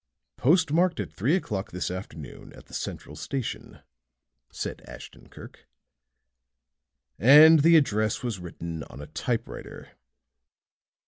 "Postmarked at three o'clock this afternoon at the central station," said Ashton Kirk. "And the address was written on a typewriter."